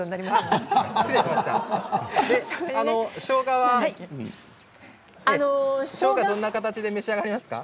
しょうがはどんな形で召し上がりますか？